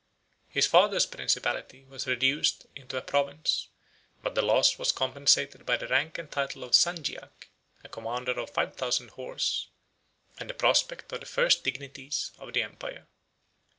His father's principality was reduced into a province; but the loss was compensated by the rank and title of Sanjiak, a command of five thousand horse, and the prospect of the first dignities of the empire.